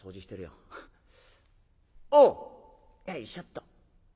「よいしょっと。